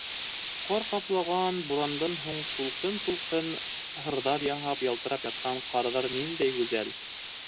Ҡар ҡаплаған, бурандан һуң тулҡын-тулҡын һырҙар яһап ялтырап ятҡан ҡырҙар ниндәй гүзәл!